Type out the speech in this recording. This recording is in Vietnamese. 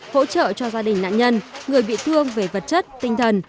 hỗ trợ cho gia đình nạn nhân người bị thương về vật chất tinh thần